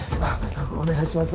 お願いします